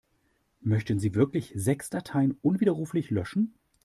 Möchten Sie wirklich sechs Dateien unwiderruflich löschen?